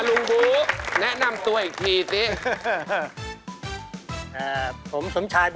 บูแนะนำตัวอีกทีสิ